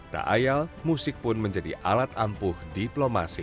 tak ayal musik pun menjadi alat ampuh diplomasi